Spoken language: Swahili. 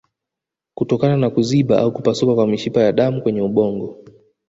Kutokana na kuziba au kupasuka kwa mishipa ya damu kwenye ubongo